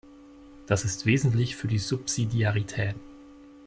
Das ist wesentlich für die Subsidiarität.